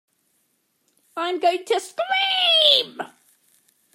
I'm going to scream!